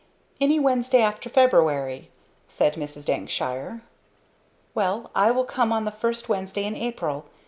"Any Wednesday after February," said Mrs. Dankshire. "Well I will come on the first Wednesday in April.